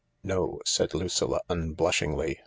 " No," said Lucilla unblushingly.